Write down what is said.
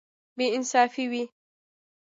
بې انصافي وي.